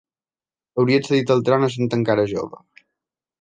Hauria accedit al tron essent encara jove.